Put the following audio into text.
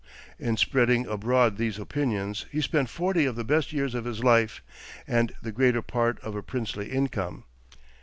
In spreading abroad these opinions he spent forty of the best years of his life, and the greater part of a princely income.